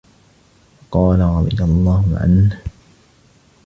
فَقَالَ رَضِيَ اللَّهُ عَنْهُ